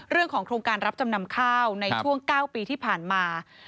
โครงการรับจำนำข้าวในช่วง๙ปีที่ผ่านมา